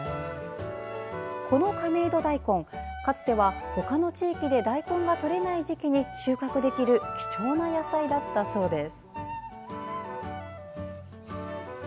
この亀戸だいこん、かつてはほかの地域で大根がとれない時期に収穫できる貴重な野菜だったそうです。